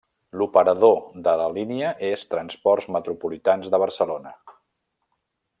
L'operador de la línia és Transports Metropolitans de Barcelona.